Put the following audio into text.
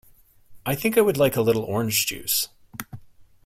I think I would like a little orange juice.